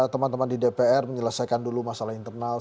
teman teman di dpr menyelesaikan dulu masalah internal